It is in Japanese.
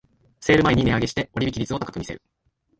セール前に値上げして割引率を高く見せる